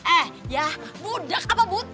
eh ya budak apa buta